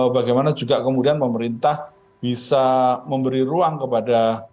bagaimana juga kemudian pemerintah bisa memberi ruang kepada